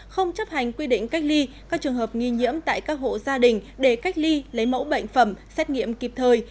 không chấp hành quy định cách ly các trường hợp nghi nhiễm tại các hộ gia đình để cách ly lấy mẫu bệnh phẩm xét nghiệm kịp thời